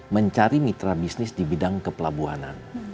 mencari mitra bisnis di bidang kepelabuhanan